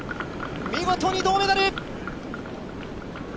見事に銅メダル。